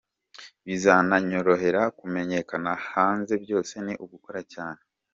Bizananyorohera kumenyakana hanze, byose ni ugukora cyane.